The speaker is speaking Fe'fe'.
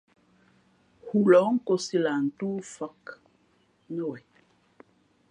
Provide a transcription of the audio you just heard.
Hulǒh nkōsī lah ntóó fāk nά wen.